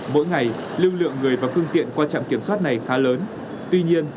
mỗi ngày lưu lượng người và phương tiện qua trạm kiểm soát này khá lớn tuy nhiên